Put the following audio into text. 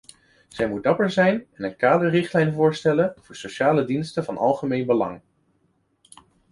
Zij moet dapper zijn en een kaderrichtlijn voorstellen voor sociale diensten van algemeen belang.